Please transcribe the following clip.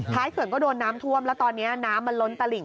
เขื่อนก็โดนน้ำท่วมแล้วตอนนี้น้ำมันล้นตลิ่ง